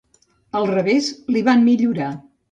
Al revés, li van millorar.